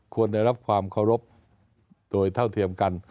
ควรได้รับความเคารพโดยเท่าเทียมกัน